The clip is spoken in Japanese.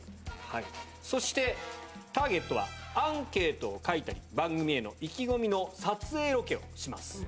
そして、ターゲットは、アンケートを書いたり、番組への意気込みの撮影ロケをします。